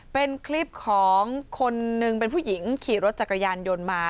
เป็นคลิปของคนนึงเป็นผู้หญิงขี่รถจักรยานยนต์มา